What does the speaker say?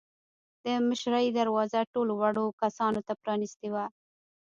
د مشرۍ دروازه ټولو وړو کسانو ته پرانیستې وه.